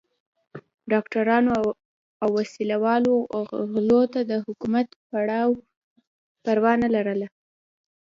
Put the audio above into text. ډاکوانو او وسله والو غلو د حکومت پروا نه لرله.